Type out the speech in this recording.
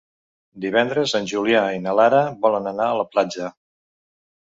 Divendres en Julià i na Lara volen anar a la platja.